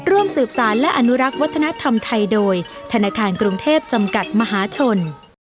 ร่วมสืบสารและอนุรักษ์วัฒนธรรมไทยโดยธนาคารกรุงเทพจำกัดมหาชน